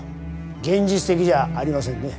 現実的じゃありませんね。